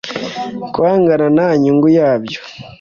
kwangana ntanyungu yabyo.